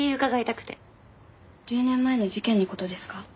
１０年前の事件の事ですか？